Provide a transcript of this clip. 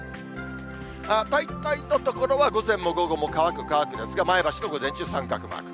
大体の所は午前も午後も乾く乾くですが、前橋の午前中、三角マーク。